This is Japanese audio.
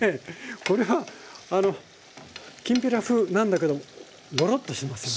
これはきんぴら風なんだけどもゴロッとしてますよね。